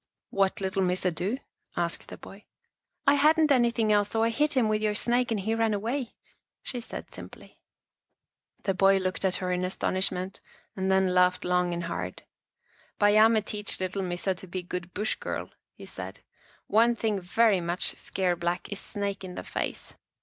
" What little Missa do? " asked the boy. " I hadn't anything else, so I hit him with your snake and he ran away," she said simply. The boy looked at her in astonishment and then laughed loud and long. " Baiame teach little Missa to be good Bush girl," he said. " One thing very much scare Black is snake in the face.